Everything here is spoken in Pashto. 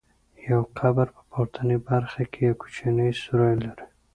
یو قبر په پورتنۍ برخه کې یو کوچنی سوری لري.